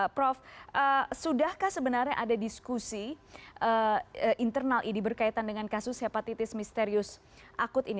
prof sudahkah sebenarnya ada diskusi internal idi berkaitan dengan kasus hepatitis misterius akut ini